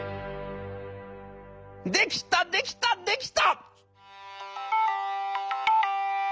「できたできたできた！」。